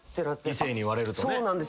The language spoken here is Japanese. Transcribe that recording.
異性に言われるとね。